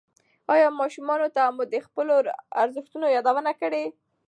ایا ماشومانو ته مو د خپلو ارزښتونو یادونه کړې؟